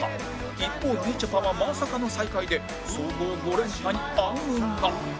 一方みちょぱはまさかの最下位で総合５連覇に暗雲が